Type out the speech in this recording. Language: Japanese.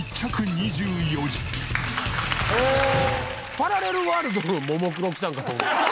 パラレルワールドのももクロ来たんかと。